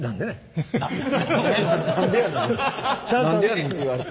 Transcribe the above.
「なんでやねん」って言われた。